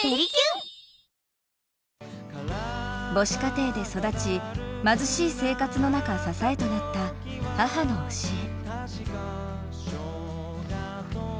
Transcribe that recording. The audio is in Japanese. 母子家庭で育ち、貧しい生活の中支えとなった母の教え。